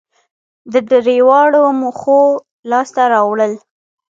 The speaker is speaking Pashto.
د درېواړو موخو لاسته راوړل